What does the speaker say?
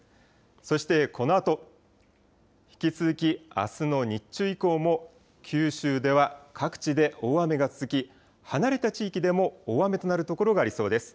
そして、このあと、引き続きあすの日中以降も、九州では各地で大雨が続き、離れた地域でも大雨となる所がありそうです。